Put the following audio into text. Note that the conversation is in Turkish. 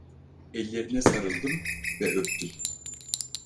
Ellerine sarıldım ve öptüm.